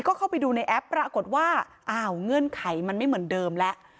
ก็เข้าไปดูในแอปปรากฏว่าอ้าวเงื่อนไขมันไม่เหมือนเดิมแล้ว